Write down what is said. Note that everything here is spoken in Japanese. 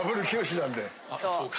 あそうか。